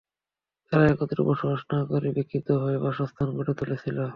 তারা একত্রে বসবাস না করে বিক্ষিপ্তভাবে বাসস্থান গড়ে তুলেছিল।